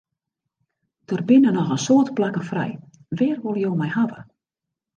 Der binne noch in soad plakken frij, wêr wolle jo my hawwe?